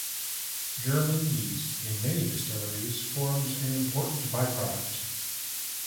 German yeast in many distilleries forms an important byproduct.